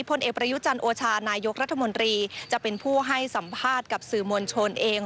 พลเอกประยุจันทร์โอชานายกรัฐมนตรีจะเป็นผู้ให้สัมภาษณ์กับสื่อมวลชนเอง